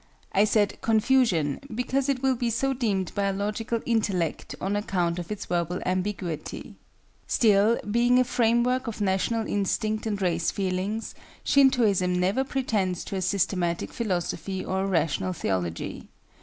I said confusion, because it will be so deemed by a logical intellect on account of its verbal ambiguity; still, being a framework of national instinct and race feelings, Shintoism never pretends to a systematic philosophy or a rational theology.